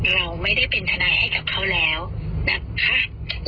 เราไม่ได้เป็นทนายให้กับเขาแล้วนะคะ